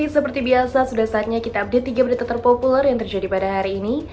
seperti biasa sudah saatnya kita update tiga berita terpopuler yang terjadi pada hari ini